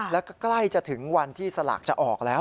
แล้วก็ใกล้จะถึงวันที่สลากจะออกแล้ว